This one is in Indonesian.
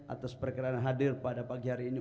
atas perkiraan hadir pada pagi hari ini